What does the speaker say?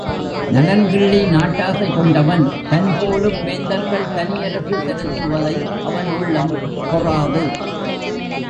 நலங்கிள்ளி நாட்டாசை கொண்டவன் தன் போலும் வேந்தர்கள் தனியரசு செலுத்துவதை அவன் உள்ளம் பொறாது.